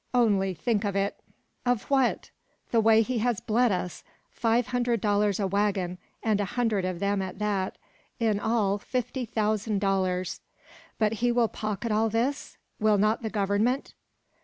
only think of it!" "Of what?" "The way he has bled us. Five hundred dollars a waggon, and a hundred of them at that; in all, fifty thousand dollars!" "But will he pocket all this? Will not the Government